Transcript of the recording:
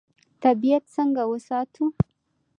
طبیعت څنګه وساتو؟